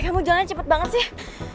kamu jalannya cepet banget sih